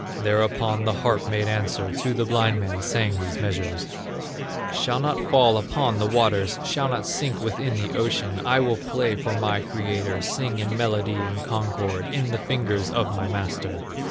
Thereupon the harp made answer, To the blind man sang these measures: "Shall not fall upon the waters, Shall not sink within the ocean; I will play for my creator, Sing in melody and concord In the fingers of my master."